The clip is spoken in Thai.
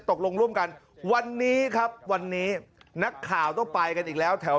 ตกลงร่วมกันวันนี้ครับวันนี้นักข่าวต้องไปกันอีกแล้วแถว